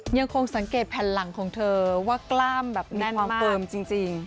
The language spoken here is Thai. ยังคงสังเกตแผ่นหลังของเธอว่ากล้ามแบบมีความเฟิร์มจริง